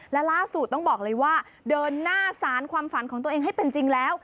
และล่าสุดต้องบอกเลยว่าเดินหน้าสารความฝันของตัวเองให้เป็นจริงแล้ว